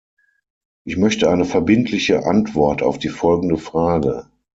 Ich möchte eine verbindliche Antwort auf die folgende Frage.